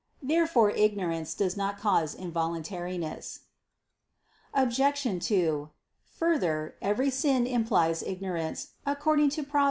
Therefore ignorance does not cause involuntariness. Obj. 2: Further, every sin implies ignorance; according to Prov.